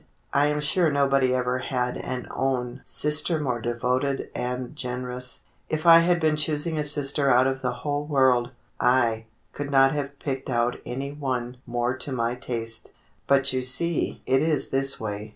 "I am sure nobody ever had an own sister more devoted and generous. If I had been choosing a sister out of the whole world, I, could not have picked out any one more to my taste. But you see it is this way.